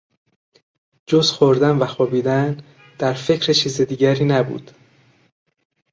جز خوردن و خوابیدن در فکر چیز دیگری نبود.